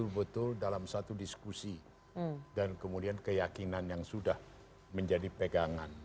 saya berpikir itu dalam satu diskusi dan kemudian keyakinan yang sudah menjadi pegangan